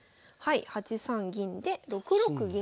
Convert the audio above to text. ８三銀で６六銀。